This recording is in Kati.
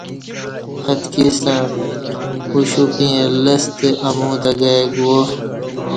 اتکی ستݩع ستہ اوشُپ ییں اہ لستہ ا مو تہ گائ گووا